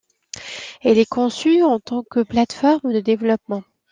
Il est conçu en tant que plateforme de développement.